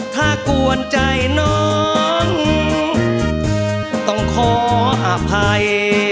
ถ้ากวนใจน้องต้องขออภัย